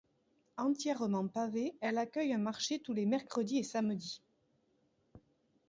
Entièrement pavée, elle accueille un marché tous les mercredis et samedis.